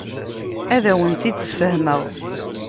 Ad awen-tt-id-sfehmeɣ.